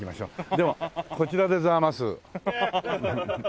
ではこちらでざあます。